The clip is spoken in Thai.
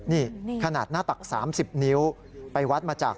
นี่ขนาดหน้าตัก๓๐นิ้ว